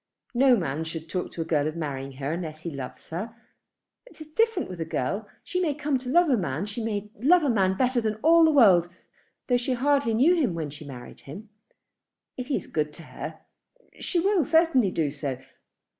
No man should talk to a girl of marrying her unless he loves her. It is different with a girl. She may come to love a man. She may love a man better than all the world, though she hardly knew him when she married him. If he is good to her, she will certainly do so.